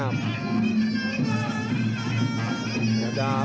สวยงาม